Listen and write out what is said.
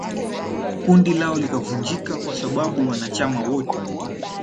Kundi lao likavunjika kwa sababu wanachama wote